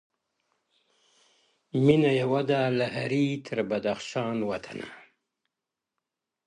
• مېنه یوه ده له هري تر بدخشان وطنه ,